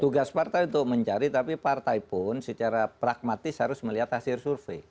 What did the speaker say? tugas partai untuk mencari tapi partai pun secara pragmatis harus melihat hasil survei